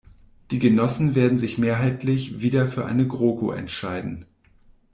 Die Genossen werden sich mehrheitlich wieder für eine GroKo entscheiden.